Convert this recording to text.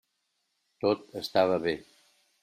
Tot estava bé.